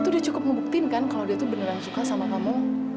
itu dia cukup membuktiin kan kalau dia tuh beneran suka sama kamu